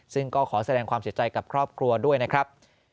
ซึ่งก็ขอแสดงความเสียใจกับครอบครัวด้วยนะครับ